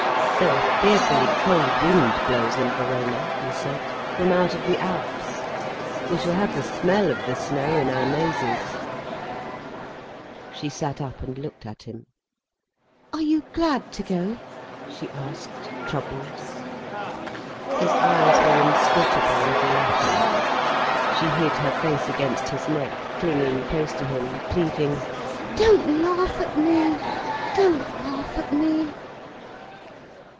"Though a fearfully cold wind blows in Verona," he said, "from out of the Alps. We shall have the smell of the snow in our noses." She sat up and looked at him. "Are you glad to go?" she asked, troubled. His eyes were inscrutable and laughing. She hid her face against his neck, clinging close to him, pleading: "Don't laugh at me—don't laugh at me."